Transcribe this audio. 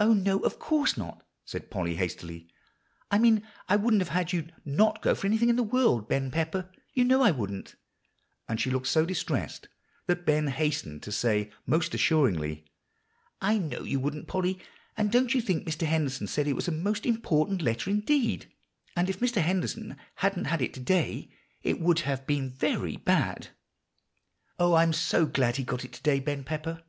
"Oh no, no, of course not," said Polly hastily. "I mean I wouldn't have had you not go for anything in this world, Ben Pepper. You know I wouldn't;" and she looked so distressed that Ben hastened to say most assuringly, "I know you wouldn't, Polly; and don't you think, Mrs. Henderson said it was a most important letter indeed; and if Mr. Henderson hadn't had it to day it would have been very bad." "Oh, I am so glad he got it to day, Ben Pepper!"